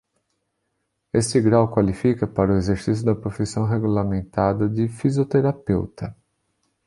Este grau qualifica para o exercício da profissão regulamentada de fisioterapeuta.